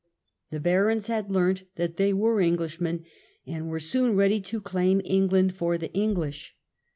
The barons had learnt that they were Englishmen, and were soon ready to claim England for the English.